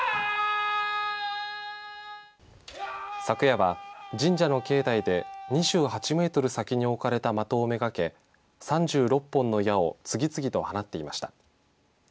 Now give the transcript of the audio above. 昨夜は、神社の境内で２８メートル先に置かれた的を目がけて３６本の矢を次々と放っていました。